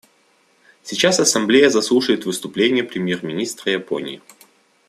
Сейчас Ассамблея заслушает выступление премьер-министра Японии.